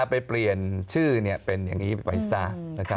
ไปเปลี่ยนชื่อเป็นอย่างนี้ไปสร้างนะครับ